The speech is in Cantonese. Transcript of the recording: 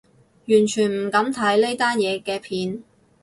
完全唔敢睇呢單嘢嘅片